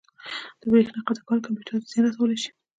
د بریښنا قطع کول کمپیوټر ته زیان رسولی شي.